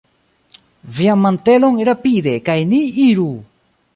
Vian mantelon, rapide, kaj ni iru!